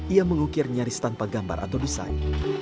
ia mengukir nyaris tanpa gambar atau desain